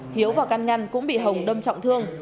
hiếu và căn ngăn cũng bị hồng đâm trọng thương